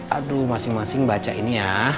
aduh masing masing baca ini ya